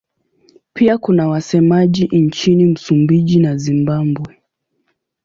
Pia kuna wasemaji nchini Msumbiji na Zimbabwe.